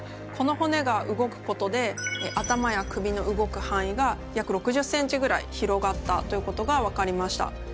この骨が動くことで頭や首の動く範囲が約６０ｃｍぐらい広がったということが分かりました。